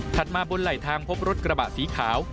มาบนไหลทางพบรถกระบะสีขาว